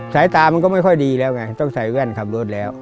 สายตามันก็ไม่ค่อยดีแล้วไงต้องใส่แว่นขับรถแล้ว